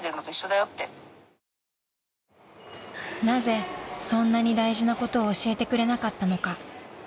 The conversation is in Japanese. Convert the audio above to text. ［なぜそんなに大事なことを教えてくれなかったのか］